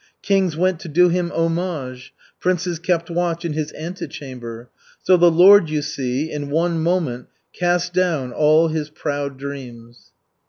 Kings went to do him homage, princes kept watch in his antechamber. So the Lord, you see, in one moment cast down all his proud dreams."